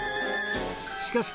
しかし